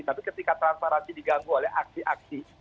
tapi ketika transparansi diganggu oleh aksi aksi